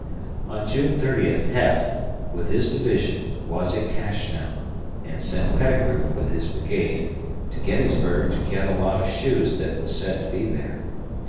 On June 30, Heth, with his division, was at Cashtown and sent Pettigrew, with his brigade, to Gettysburg to get a lot of shoes that were said to be there.